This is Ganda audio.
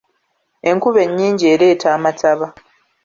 Enkuba ennyingi ereeta amataba.